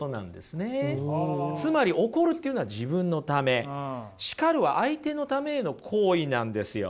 つまり怒るっていうのは自分のため叱るは相手のためへの行為なんですよ。